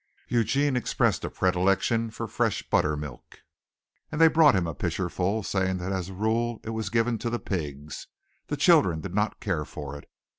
Eugene expressed a predilection for fresh buttermilk and they brought him a pitcherful, saying that as a rule it was given to the pigs; the children did not care for it.